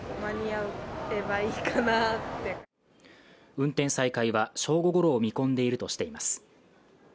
運転再開は正午ごろを見込んでいるとしています。